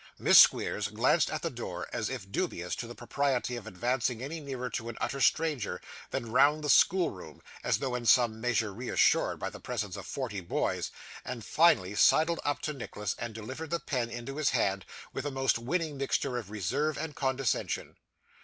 Miss Squeers glanced at the door, as if dubious of the propriety of advancing any nearer to an utter stranger; then round the schoolroom, as though in some measure reassured by the presence of forty boys; and finally sidled up to Nicholas and delivered the pen into his hand, with a most winning mixture of reserve and condescension.